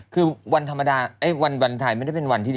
คือวันธรรมดาวันไทยไม่ได้เป็นวันที่ดี